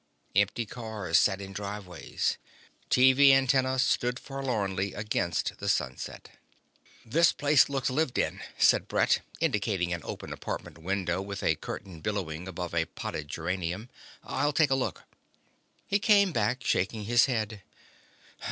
Empty cars sat in driveways. TV antennae stood forlornly against the sunset. "That place looks lived in," said Brett, indicating an open apartment window with a curtain billowing above a potted geranium. "I'll take a look." He came back shaking his head.